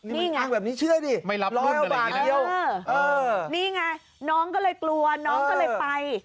นี่ไงนี่ไงน้องก็เลยกลัวน้องก็เลยไป